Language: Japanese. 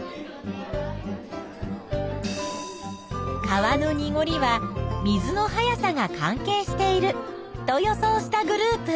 川のにごりは水の速さが関係していると予想したグループ。